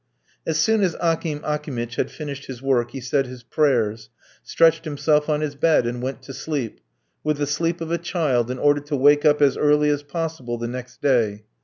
As soon as Akim Akimitch had finished his work he said his prayers, stretched himself on his bed, and went to sleep, with the sleep of a child, in order to wake up as early as possible the next day.